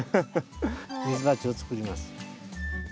水鉢を作ります。